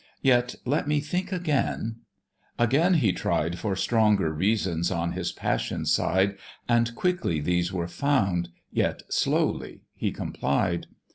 Yet let me think again:" Again he tried, For stronger reasons on his passion's side, And quickly these were found, yet slowly he complied.